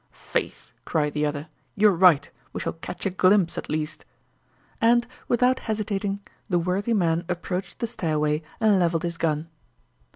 "Faith," cried the other, "you're right, we shall catch a glimpse at least." And without hesitating the worthy man approached the stairway and leveled his gun.